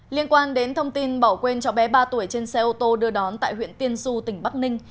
liên quan đến thông tin bỏ quên cháu bé ba tuổi trên xe ô tô đưa đón tại huyện tiên du tỉnh bắc ninh